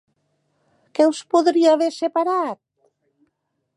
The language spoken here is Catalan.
Què us podria haver separat?